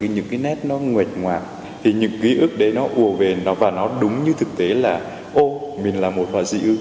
những cái nét nó nguệt ngoạc những ký ức đấy nó ủa về nó và nó đúng như thực tế là ô mình là một họa dị ư